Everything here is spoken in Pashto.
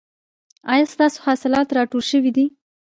ایا ستاسو حاصلات راټول شوي دي؟